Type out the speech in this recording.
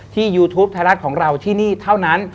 ยูทูปไทยรัฐของเราที่นี่เท่านั้น